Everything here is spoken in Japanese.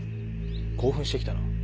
興奮してきたな。